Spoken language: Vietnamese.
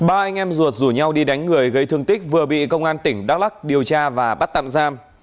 ba anh em ruột rủ nhau đi đánh người gây thương tích vừa bị công an tỉnh đắk lắc điều tra và bắt tạm giam